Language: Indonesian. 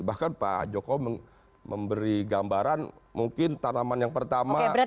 bahkan pak jokowi memberi gambaran mungkin tanaman yang pertama hanya dua bulan